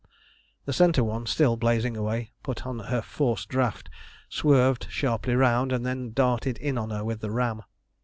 The centre one, still blazing away, put on her forced draught, swerved sharply round, and then darted in on her with the ram.